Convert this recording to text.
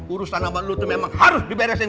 urusan nama lo itu memang harus diberesin